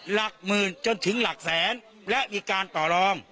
หลักหมื่นจนถึงหลักแสนและมีการต่อรอง